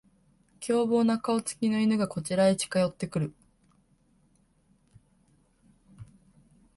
凶暴な顔つきの犬がこちらへ近寄ってくる